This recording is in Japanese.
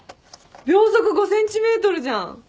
『秒速５センチメートル』じゃん。